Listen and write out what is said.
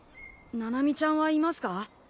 七海ちゃんはいますか？